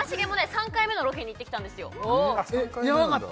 ３回目のロケに行ってきたんですよえっヤバかった？